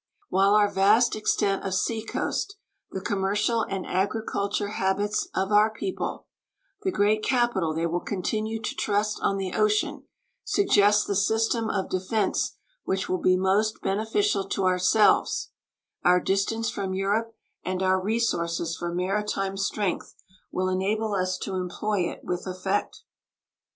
While our vast extent of sea coast, the commercial and agriculture habits of our people, the great capital they will continue to trust on the ocean, suggest the system of defense which will be most beneficial to ourselves, our distance from Europe and our resources for maritime strength will enable us to employ it with effect.